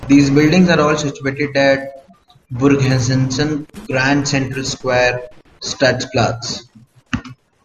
These buildings are all situated at Burghausen's grand central square "Stadtplatz".